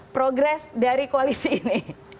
progres dari koalisi ini